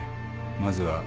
まずは。